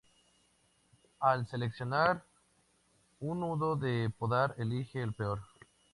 Al seleccionar un nodo de podar, elige el peor.